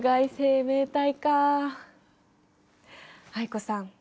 藍子さん